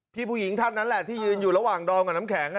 ผู้หญิงท่านนั้นแหละที่ยืนอยู่ระหว่างดอมกับน้ำแข็ง